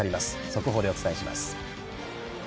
速報でお伝えします。